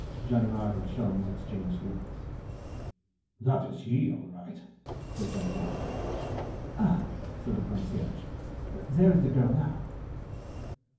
Ganimard and Sholmes exchanged looks. "That is he, all right," said Ganimard. "Ah!" said the concierge, "there is the girl now."